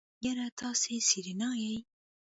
يره تاسې سېرېنا يئ.